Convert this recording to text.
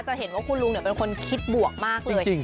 จะเห็นว่าคุณลุงเป็นคนคิดบวกมากเลย